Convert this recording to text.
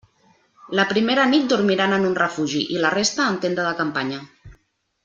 La primera nit dormiran en un refugi i la resta en tenda de campanya.